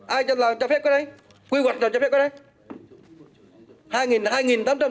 ai cho làm cho phép cái đấy quy hoạch nào cho phép cái đấy